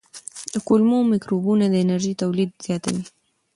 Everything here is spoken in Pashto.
د کولمو مایکروبونه د انرژۍ تولید زیاتوي.